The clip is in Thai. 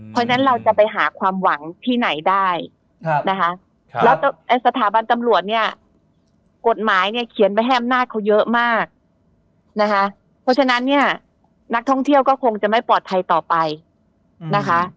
เพราะฉะนั้นเราจะไปหาความหวังที่ไหนได้นะคะแล้วสถาบันตำรวจเนี่ยกฎหมายเนี่ยเขียนไว้ให้อำนาจเขาเยอะมากนะคะเพราะฉะนั้นเนี่ยนักท่องเที่ยวก็คงจะไม่ปลอดภัยต่อไปนะคะ